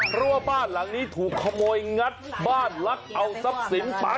เพราะว่าบ้านหลังนี้ถูกขโมยงัดบ้านลักเอาทรัพย์สินไป